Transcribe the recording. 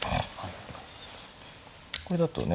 これだとね